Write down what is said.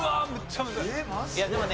いやでもね